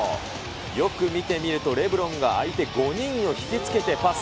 よく見てみると、レブロンが相手５人を引き付けてパス。